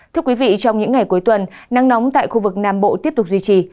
thưa quý vị trong những ngày cuối tuần nắng nóng tại khu vực nam bộ tiếp tục duy trì